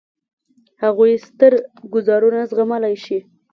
هغوی ستر ګوزارونه زغملای شي.